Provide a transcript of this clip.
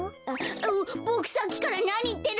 ボクさっきからなにいってるんだ。